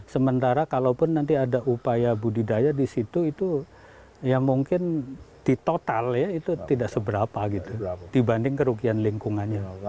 sementara kalaupun nanti ada upaya budidaya di situ itu ya mungkin di total ya itu tidak seberapa gitu dibanding kerugian lingkungannya